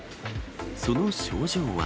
その症状は。